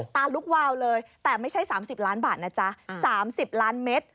ตาลุกวาวเลยแต่ไม่ใช่๓๐ล้านบาทนะจ๊ะ๓๐ล้านเมตร